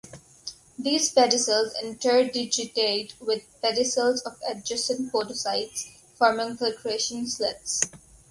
These pedicels interdigitate with pedicels of adjacent podocytes forming filtration slits.